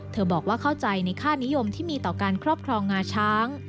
บอกว่าเข้าใจในค่านิยมที่มีต่อการครอบครองงาช้าง